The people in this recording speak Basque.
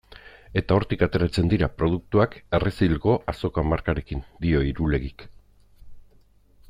Eta hortik ateratzen dira produktuak Errezilgo Azoka markarekin, dio Irulegik.